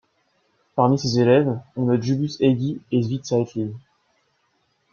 Parmi ses élèves on note Julius Hegyi et Zvi Zeitlin.